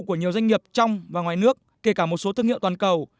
của nhiều doanh nghiệp trong và ngoài nước kể cả một số thương hiệu toàn cầu